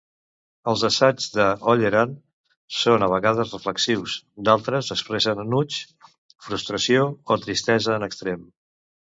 Els assaigs de Holleran són a vegades reflexius, d"altres expressen enuig, frustració o tristesa en extrem.